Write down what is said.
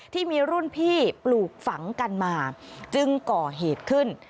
ที่มีรุ่นพี่ปลูกฝังกันมาจึงก่อเหตุขึ้น